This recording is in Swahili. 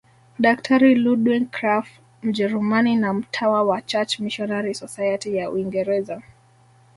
Daktari Ludwig Krapf Mjerumani na mtawa wa Church Missionary Society ya Uingereza